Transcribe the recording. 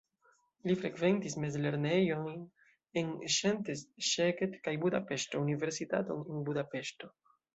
Li frekventis mezlernejojn en Szentes, Szeged kaj Budapeŝto, universitaton en Budapeŝto.